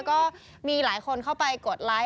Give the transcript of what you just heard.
ก็มีหลายคนเข้าไปกดไลค์